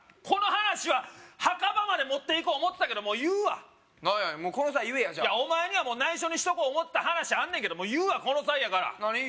この話は墓場まで持っていこう思ってたけどもう言うわ何やもうこの際言えやじゃあお前にはもう内緒にしとこう思ってた話あんねんけどもう言うわこの際やから何？